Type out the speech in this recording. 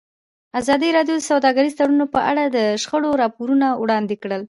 ازادي راډیو د سوداګریز تړونونه په اړه د شخړو راپورونه وړاندې کړي.